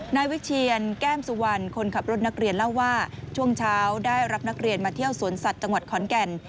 นายวิเชียนแก้มสุวรรณคนขับรถนักเรียนเล่าว่าช่วงเช้าได้รับนักเรียนมาเที่ยวสวนสัตว์จังหวัดขอนแก่น